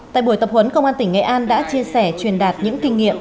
tại buổi tập huấn công an tỉnh nghệ an đã chia sẻ truyền đạt những kinh nghiệm